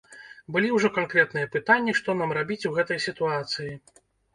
Былі ўжо канкрэтныя пытанні, што нам рабіць у гэтай сітуацыі.